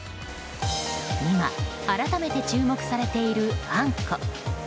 今、改めて注目されているあんこ。